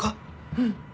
うん。